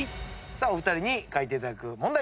お二人に描いていただく問題